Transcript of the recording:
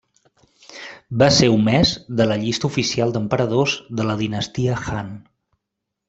Va ser omès de la llista oficial d'emperadors de la Dinastia Han.